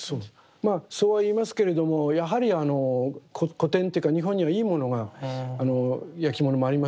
まあそうは言いますけれどもやはり古典というか日本にはいいものがやきものもあります